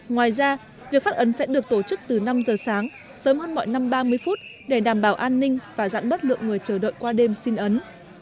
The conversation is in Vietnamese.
ngoài ra việc phát ấn sẽ được tổ chức từ năm giờ sáng sớm hơn mọi năm ba mươi phút để đảm bảo an ninh và giãn bớt lượng người chờ đợi qua đêm xin ấn